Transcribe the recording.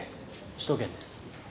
首都圏です。